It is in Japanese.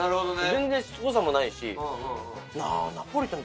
全然しつこさもないし。